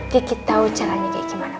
gik tau caranya kayak gimana bang